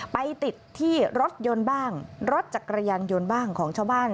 ไปติดที่รถยนต์บ้างรถจักรยานยนต์บ้างของชาวบ้าน